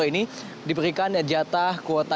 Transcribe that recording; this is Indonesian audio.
yang diberikan oleh pengusaha seferiandi sutanto